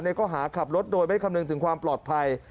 ข้อหาขับรถโดยไม่คำนึงถึงความปลอดภัย